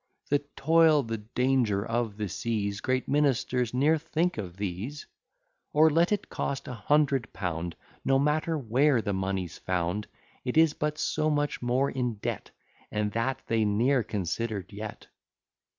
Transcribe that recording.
The toil, the danger of the seas, Great ministers ne'er think of these; Or let it cost a hundred pound, No matter where the money's found, It is but so much more in debt, And that they ne'er consider'd yet.